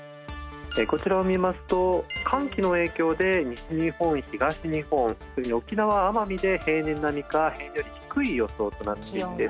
こちらを見ますと寒気の影響で西日本東日本それに沖縄奄美で平年並みか平年より低い予想となっていて。